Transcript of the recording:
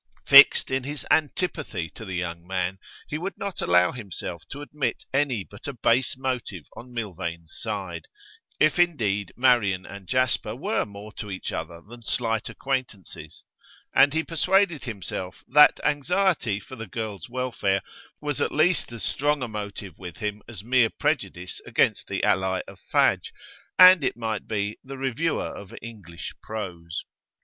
Fixed in his antipathy to the young man, he would not allow himself to admit any but a base motive on Milvain's side, if, indeed, Marian and Jasper were more to each other than slight acquaintances; and he persuaded himself that anxiety for the girl's welfare was at least as strong a motive with him as mere prejudice against the ally of Fadge, and, it might be, the reviewer of 'English Prose.